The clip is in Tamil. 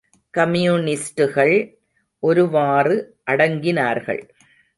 கம்யூனிஸ்டுகள் ஒருவாறு அடங்கினார்கள்.